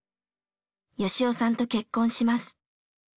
良夫さんと結婚します。